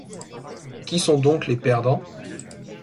Qui sont donc les perdants ?